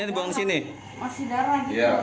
jangan ini dibawah sini